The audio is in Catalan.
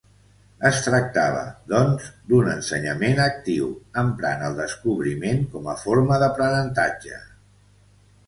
Es tractava, doncs, d'un ensenyament actiu, emprant el descobriment com a forma d'aprenentatge.